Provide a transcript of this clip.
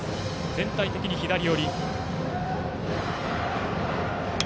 全体的に左より。